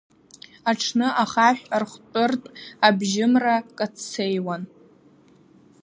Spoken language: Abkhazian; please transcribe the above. Аҽны ахаҳә архәтәыртә абжьымра каццеиуан.